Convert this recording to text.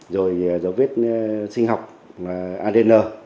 rồi dấu vết sinh học adn